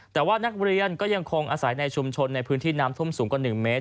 แต่ว่านักเรียนก็ยังคงอาศัยในชุมชนในพื้นที่น้ำท่วมสูงกว่า๑เมตร